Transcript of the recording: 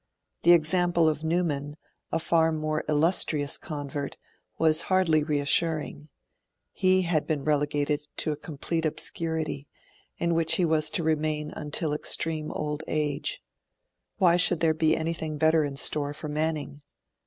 The example of Newman, a far more illustrious convert, was hardly reassuring: he had been relegated to a complete obscurity, in which he was to remain until extreme old age. Why should there be anything better in store for Manning?